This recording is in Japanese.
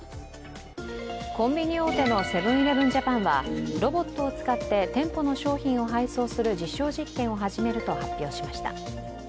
コンビニ大手のセブン−イレブン・ジャパンはロボットを使って店舗の商品を配送する実証実験を始めると発表しました。